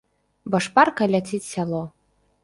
Бо шпарка ляціць сяло.